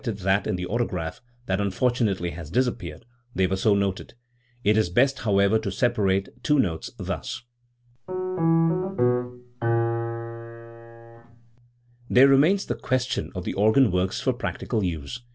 Organ and Clavier Fugues, Transcriptions, 317 that in the autograph, that unfortunately has disappeared, they were so noted. It is best, however, to separate the two notes, thus: There remains the question of the organ works for practical use.